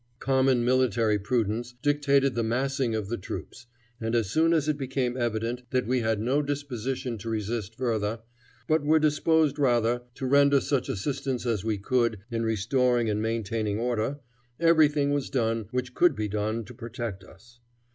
Common military prudence dictated the massing of the troops, and as soon as it became evident that we had no disposition to resist further, but were disposed rather to render such assistance as we could in restoring and maintaining order, everything was done which could be done to protect us.